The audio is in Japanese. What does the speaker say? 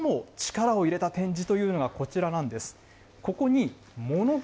そして最も力を入れた展示というのがこちらなんです。